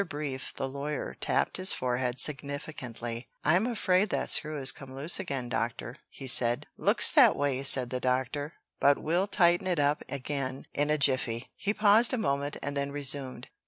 Brief, the lawyer, tapped his forehead significantly. "I'm afraid that screw has come loose again, Doctor," he said. "Looks that way," said the Doctor, "but we'll tighten it up again in a jiffy." He paused a moment, and then resumed.